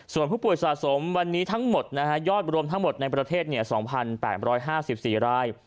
ส่วนผู้ป่วยสะสมวันนี้ทั้งหมดยอดรวมทั้งหมดในประเทศ๒๘๕๔ราย